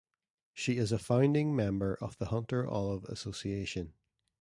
She is a founding member of the Hunter Olive Association.